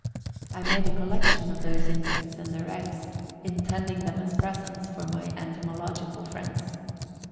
I made a collection of those insects and their eggs, intending them as presents for my entomological friends.